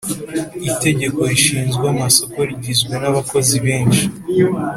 itegeko rishinzwe amasoko rigizwe nabakozi benshi